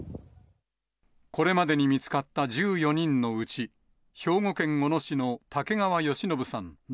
これまでに見つかった１４人のうち、兵庫県小野市の竹川好信さん